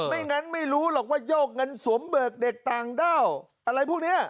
งั้นไม่รู้หรอกว่าโยกเงินสวมเบิกเด็กต่างด้าวอะไรพวกนี้